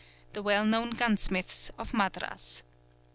__| well known gunsmiths of Madras.